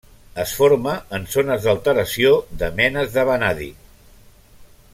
Es forma en zones d'alteració de menes de vanadi.